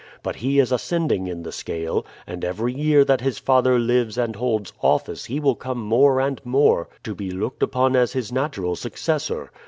But he is ascending in the scale, and every year that his father lives and holds office he will come more and more to be looked upon as his natural successor.